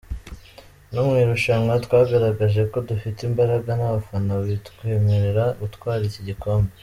No mu irushanwa twagaragaje ko dufite imbaraga n’abafana bitwemerera gutwara iki gikombe.